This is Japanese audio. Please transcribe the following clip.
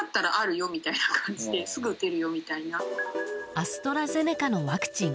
アストラゼネカのワクチン。